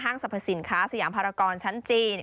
สรรพสินค้าสยามภารกรชั้นจีน